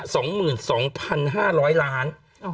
สองหมื่นสองพันห้าร้อยล้านอ๋อ